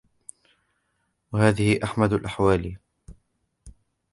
وَهَذِهِ أَحْمَدُ الْأَحْوَالِ